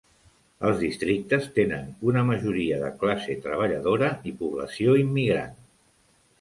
Els districtes tenen una majoria de classe treballadora i població immigrant.